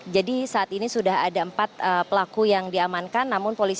jadi saat ini sudah ada empat pelaku yang diamankan namun polisi